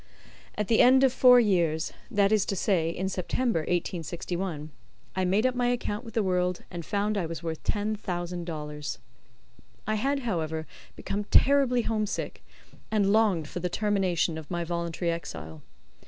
At the end of four years that is to say, in September, 1861 I made up my account with the world, and found I was worth ten thousand dollars. I had, however, become terribly homesick, and longed for the termination of my voluntary exile.